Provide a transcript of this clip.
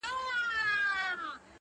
يوازې سوی يم يادونه د هغې نه راځي!!!!